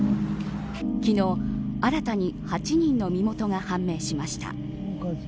昨日、新たに８人の身元が判明しました。